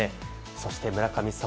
そして村神様